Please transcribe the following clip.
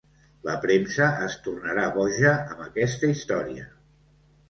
La premsa es tornarà boja amb aquesta història.